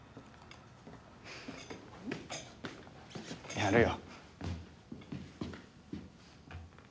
やるよ。